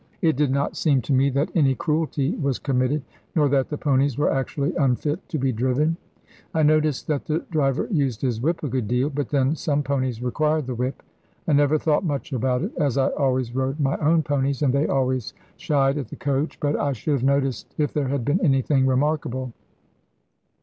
It did not seem to me that any cruelty was committed, nor that the ponies were actually unfit to be driven. I noticed that the driver used his whip a good deal, but then some ponies require the whip. I never thought much about it, as I always rode my own ponies, and they always shied at the coach, but I should have noticed if there had been anything remarkable.